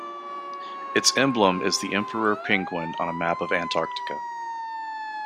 Its emblem is the emperor penguin on a map of Antarctica.